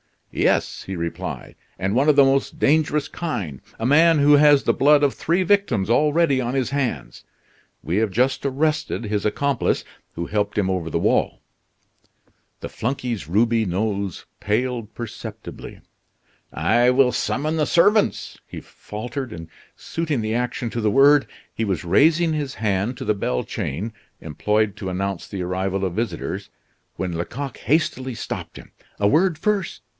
"Yes," he replied; "and one of the most dangerous kind a man who has the blood of three victims already on his hands. We have just arrested his accomplice, who helped him over the wall." The flunky's ruby nose paled perceptibly. "I will summon the servants," he faltered, and suiting the action to the word, he was raising his hand to the bell chain, employed to announce the arrival of visitors, when Lecoq hastily stopped him. "A word first!"